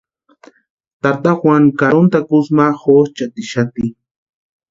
Tata Juan karoni takusï ma jonchatixati.